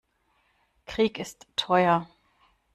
Krieg ist teuer.